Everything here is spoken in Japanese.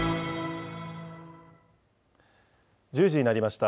１０時になりました。